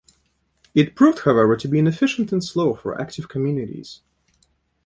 It proved, however, to be inefficient and slow for active communities.